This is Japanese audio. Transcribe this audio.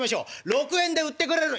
「６円で売ってくれる？